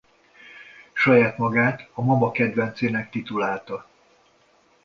Saját magát a mama kedvencének titulálta.